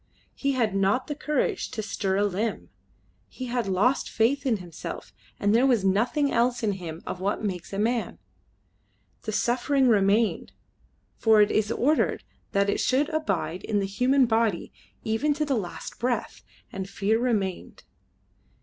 He had not the courage to stir a limb. He had lost faith in himself, and there was nothing else in him of what makes a man. The suffering remained, for it is ordered that it should abide in the human body even to the last breath, and fear remained.